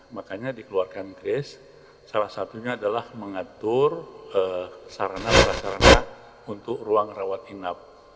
makanya dikeluarkan kris salah satunya adalah mengatur sarana prasarana untuk ruang rawat inap